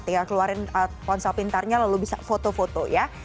tinggal keluarin ponsel pintarnya lalu bisa foto foto ya